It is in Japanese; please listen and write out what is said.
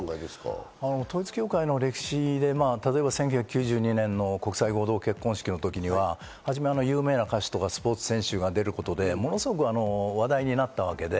統一教会の歴史で、例えば１９９２年の国際合同結婚式の時には有名な歌手とか、スポーツ選手が出ることで、ものすごく話題になったわけで。